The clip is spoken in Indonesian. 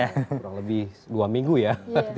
kurang lebih dua minggu ya